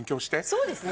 そうですね。